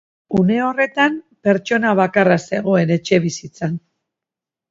Une horretan pertsona bakarra zegoen etxebizitzan.